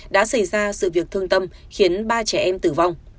đã xảy ra sự việc thương tâm khiến ba trẻ em tử vong